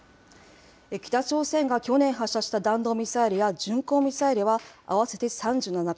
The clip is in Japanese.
北朝鮮が去年発射した弾道ミサイルや巡航ミサイルは、合わせて３７回。